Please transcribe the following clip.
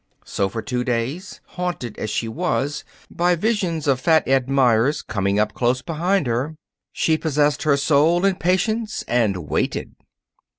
So for two days, haunted, as she was, by visions of Fat Ed Meyers coming up close behind her, she possessed her soul in patience and waited.